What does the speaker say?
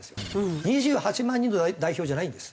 ２８万人の代表じゃないんです。